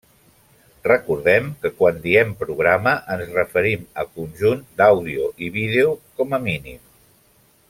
Recordem que quan diem programa ens referim a conjunt d'àudio i vídeo, com a mínim.